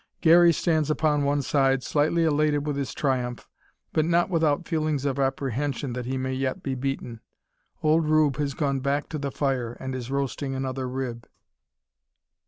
Garey stands upon one side, slightly elated with his triumph, but not without feelings of apprehension that he may yet be beaten. Old Rube has gone back to the fire, and is roasting another rib.